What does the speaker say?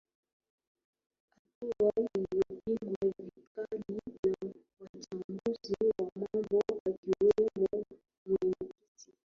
hatua iliopingwa vikali na wachambuzi wa mambo akiwemo mwenye kiti